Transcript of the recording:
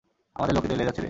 আমাদের লোকেদের লেজ আছে রে?